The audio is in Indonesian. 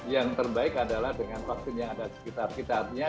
yang terbaik adalah dengan vaksin yang ada sekitar sekitarnya